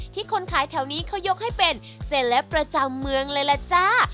คนขายแถวนี้เขายกให้เป็นเซลปประจำเมืองเลยล่ะจ้า